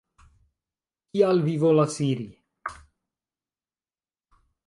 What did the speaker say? Kial vi volas iri?